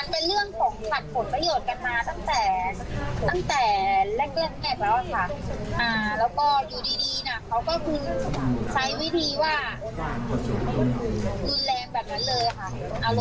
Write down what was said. แล้วก็เหตุการณ์ก็คือยิ่งไปแล้วคือไม่มีอะไรเกิดขึ้น